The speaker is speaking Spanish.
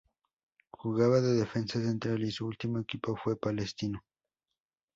Jugaba de defensa central y su último equipo fue Palestino.